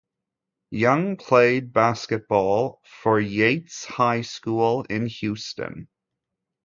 Young played basketball for Yates High School in Houston.